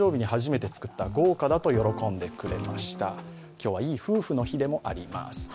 今日はいい夫婦の日でもあります。